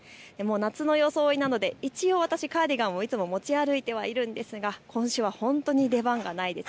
夏の装いなので一応私はカーディガンを持ち歩いているんですが、ことしは本当に出番がないです。